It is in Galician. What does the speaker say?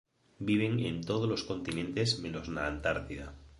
Viven en todos os continentes menos na Antártida.